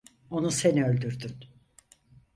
Onu sen öldürdün!